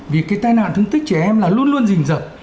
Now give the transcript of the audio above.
vì cái tai nạn thương tích trẻ em là luôn luôn dình dập